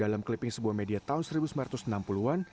dalam clipping sebuah media tahun seribu sembilan ratus enam puluh an